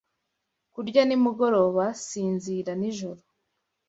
Kurya nimugoroba Sinzira nijoro